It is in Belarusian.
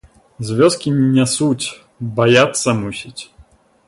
З вёскі не нясуць, баяцца, мусіць.